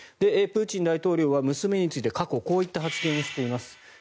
プーチン大統領は娘について過去こういった発言をしています。